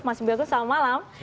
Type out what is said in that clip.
mas muhammad misbakun selamat malam